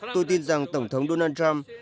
tôi tin rằng tổng thống donald trump